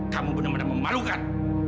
kamu benar benar memalukan